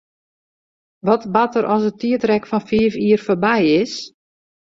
Wat bart der as it tiidrek fan fiif jier foarby is?